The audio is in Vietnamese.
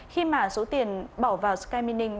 khi mà số tiền bỏ vào sky mining